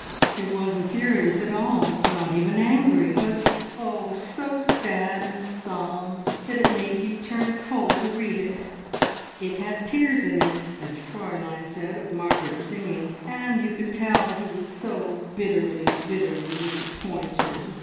"It wasn't furious at all, not even angry; but oh, so sad and solemn that it made you turn cold to read it! `It had tears in it,' as Fraulein said of Margaret's singing, and you could tell he was so bitterly, bitterly disappointed!